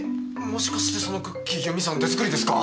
もしかしてそのクッキーゆみさん手作りですか？